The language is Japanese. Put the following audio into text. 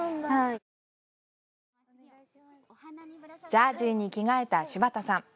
ジャージに着替えた柴田さん。